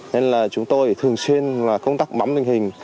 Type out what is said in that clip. nên là chúng tôi thường xuyên công tác bắm tình hình